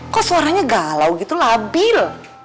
kok suaranya galau gitu labil